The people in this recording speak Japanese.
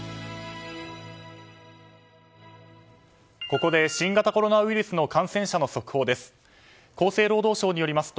ここで新型コロナウイルスの感染者の速報です。